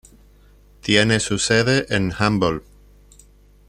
Tiene su sede en Humble.